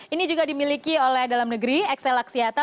ini juga dimiliki oleh dalam negeri excel laksiata